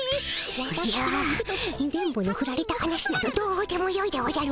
おじゃ電ボのフラれた話などどうでもよいでおじゃる。